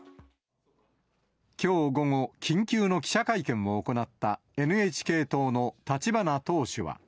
きょう午後、緊急の記者会見を行ったＮＨＫ党の立花党首は。